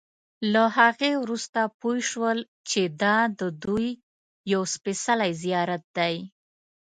له هغې وروسته پوی شول چې دا ددوی یو سپېڅلی زیارت دی.